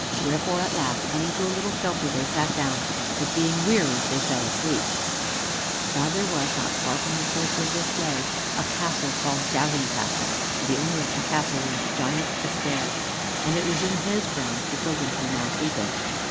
Wherefore at last, coming to a little shelter, they sat down, but being weary they fell asleep. Now there was, not far from the place where they lay, a castle, called Doubting Castle, and the owner of the castle was Giant Despair, and it was in his grounds the pilgrims were now sleeping.